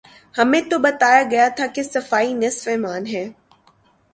ہمیں تو بتایا گیا تھا کہ صفائی نصف ایمان ہے۔